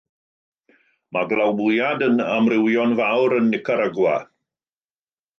Mae glawiad yn amrywio'n fawr yn Nicaragua.